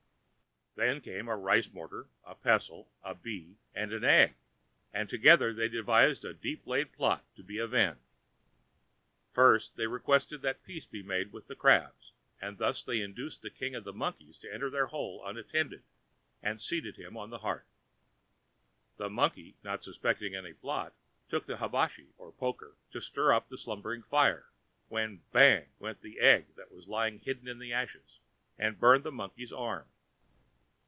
Then came a rice mortar, a pestle, a bee, and an egg, and together they devised a deep laid plot to be avenged. First, they requested that peace be made with the crabs; and thus they induced the king of the monkeys to enter their hole unattended, and seated him on the hearth. The Monkey, not suspecting any plot, took the hibashi, or poker, to stir up the slumbering fire, when bang! went the egg, which was lying hidden in the ashes, and burned the Monkey's arm.